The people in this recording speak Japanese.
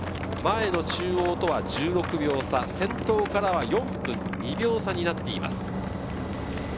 前の中央とは１６秒差、先頭からは４分２秒差になっています。